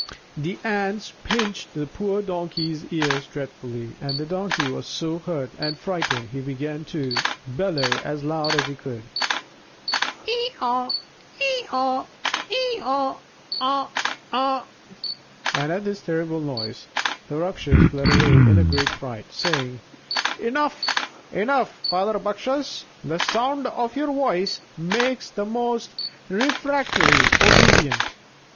The ants pinched the poor Donkey's ears dreadfully, and the Donkey was so hurt and frightened he began to bellow as loud as he could: "Eh augh! eh augh! eh augh! augh! augh!" and at this terrible noise the Rakshas fled away in a great fright, saying: "Enough, enough, father Bakshas! the sound of your voice would make the most refractory obedient."